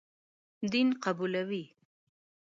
دین قبولوي.